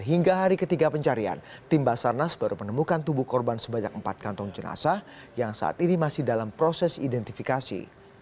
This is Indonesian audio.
hingga hari ketiga pencarian tim basarnas baru menemukan tubuh korban sebanyak empat kantong jenazah yang saat ini masih dalam proses identifikasi